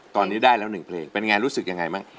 ตอนนี้ได้แล้ว๑เพลงเป็นไงรู้สึกยังไงบ้าง